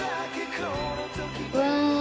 うわ！